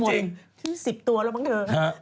หมด๑๐ตัวแล้วมั้งเธอ